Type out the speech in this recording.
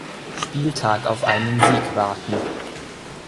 Spieltag auf einen Sieg warten.